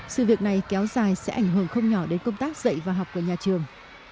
sự việc này kéo dài sẽ ảnh hưởng không nhỏ đến công tác dạy và học của nhà trường